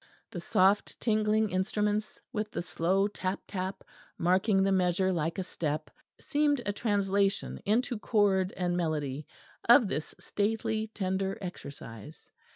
The soft tingling instruments, with the slow tap tap marking the measure like a step, seemed a translation into chord and melody of this stately tender exercise.